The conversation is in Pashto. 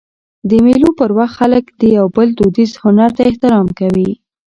د مېلو پر وخت خلک د یو بل دودیز هنر ته احترام کوي.